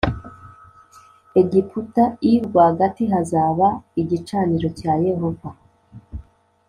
Egiputa l rwagati hazaba igicaniro cya Yehova